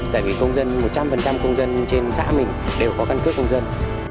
tại vì công dân một trăm linh công dân trên xã mình đều có căn cước công dân